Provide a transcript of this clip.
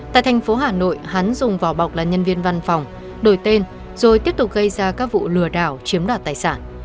tại thành phố hà nội hắn dùng vỏ bọc là nhân viên văn phòng đổi tên rồi tiếp tục gây ra các vụ lừa đảo chiếm đoạt tài sản